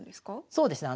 そうですね